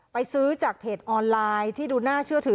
ซื้อจากเพจออนไลน์ที่ดูน่าเชื่อถือ